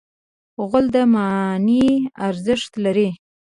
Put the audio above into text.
غول د معاینې ارزښت لري.